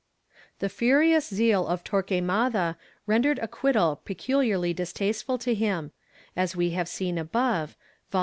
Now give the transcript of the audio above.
The furious zeal of Torquemada rendered acquittal pecuUarly distasteful to him, and we have seen above (Vol.